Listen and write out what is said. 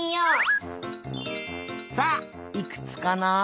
さあいくつかな？